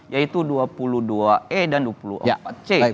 yaitu dua puluh dua e dan dua puluh empat c